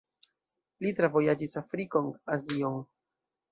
Li travojaĝis Afrikon, Azion.